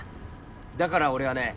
だから俺はね